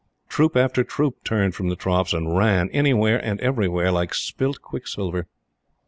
Troop after troop turned from the troughs and ran anywhere, and everywhere like spit quicksilver.